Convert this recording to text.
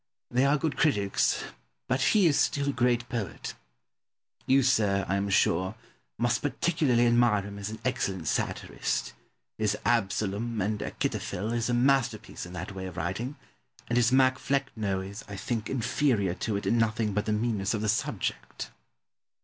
They are good critics, but he is still a great poet. You, sir, I am sure, must particularly admire him as an excellent satirist; his "Absalom and Achitophel" is a masterpiece in that way of writing, and his "Mac Flecno" is, I think, inferior to it in nothing but the meanness of the subject.